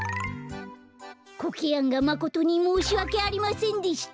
コケヤンがまことにもうしわけありませんでした。